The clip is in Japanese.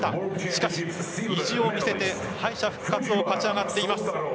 しかし、意地を見せて敗者復活を勝ち上がっています。